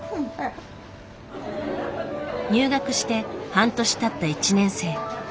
入学して半年たった１年生。